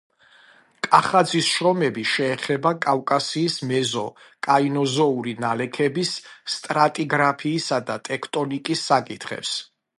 კახაძის შრომები შეეხება კავკასიის მეზო-კაინოზოური ნალექების სტრატიგრაფიისა და ტექტონიკის საკითხებს.